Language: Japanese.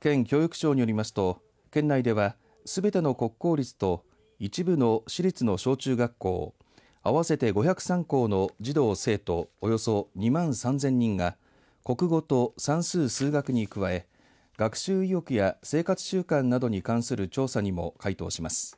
県教育庁によりますと県内では、すべての国公立と一部の私立の小中学校合わせて５０３校の児童、生徒およそ２万３０００人が国語と算数・数学に加え学習意欲や生活習慣などに関する調査にも回答します。